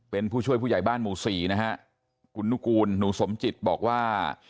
เป็นผู้ช่วยผู้ใหญ่บ้านหมู่สี่นะฮะคุณนุกูลหนูสมจิตบอกว่า